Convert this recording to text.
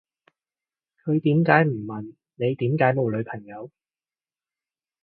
佢點解唔問你點解冇女朋友